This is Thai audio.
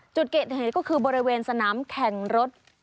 จุดเกิดเหตุก็คือบริเวณสนามแข่งรถ